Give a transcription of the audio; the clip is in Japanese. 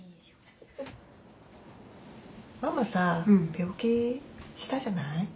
ママさ病気したじゃない？